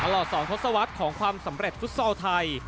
ตลอด๒ทศวรรษของความสำเร็จฟุตซอลไทย